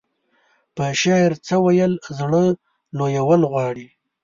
په شعر څه ويل زړه لويول غواړي.